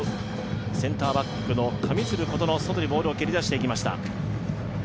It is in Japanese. センターバックの神水流琴望、外にボールを蹴り出していきました。